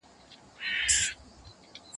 ته ولي سبزېجات جمع کوې؟